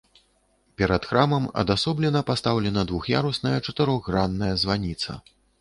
Перад храмам адасоблена пастаўлена двух'ярусная чатырохгранная званіца.